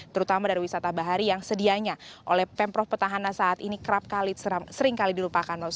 terutama dari wisata bahari yang sedianya oleh pemprov petahana saat ini kerap kali seringkali dilupakan